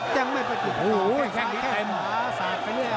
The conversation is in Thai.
ชับแล้วล็อกแข็งกดแขนล่ะด้วย